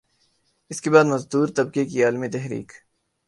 اسکے بعد مزدور طبقے کی عالمی تحریک